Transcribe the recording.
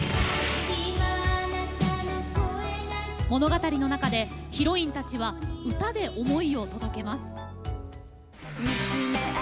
物語の中でヒロインたちは歌で思いを届けます。